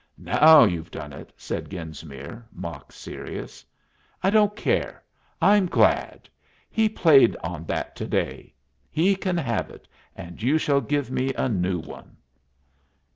"Now you have done it!" said Genesmere, mock serious. "I don't care. I am glad. He played on that to day. He can have it, and you shall give me a new one.